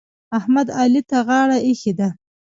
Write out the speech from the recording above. احمد؛ علي ته غاړه ايښې ده.